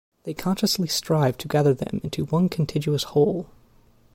They consciously strived to gather them into one contiguous whole.